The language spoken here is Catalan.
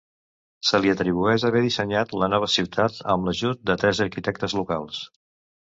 Se li atribueix haver dissenyat la nova ciutat amb l'ajut de tres arquitectes locals.